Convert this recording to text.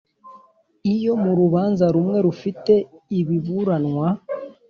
Iyo mu rubanza rumwe rufite ibiburanwa